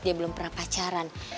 dia belum pernah pacaran